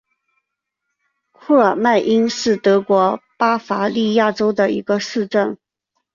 库尔迈因是德国巴伐利亚州的一个市镇。